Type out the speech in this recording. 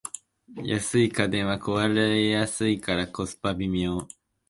安い家電は壊れやすいからコスパ微妙